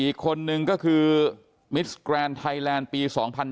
อีกคนนึงก็คือมิสแกรนด์ไทยแลนด์ปี๒๕๕๙